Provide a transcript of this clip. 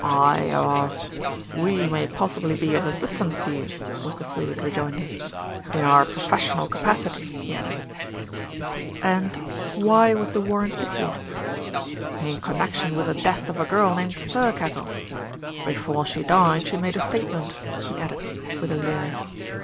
"I, er we may possibly be of assistance to you," was the fluid rejoinder. "In our professional capacity," he added. "And why was the warrant issued?" "In connection with the death of a girl named Thir kettle. Before she died she made a statement," he added, with a leer.